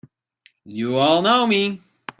You all know me!